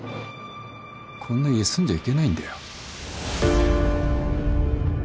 こんな家住んじゃいけないんだよ。